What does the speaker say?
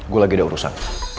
gue lagi ada urusan